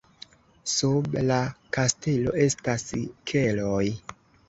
Sub la kastelo estas keloj.